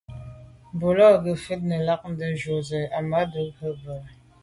Bú lá' gə́ fít nə̀ lɑgdə̌ jú zə̄ Ahmadou rə̂ bú.